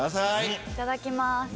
いただきます。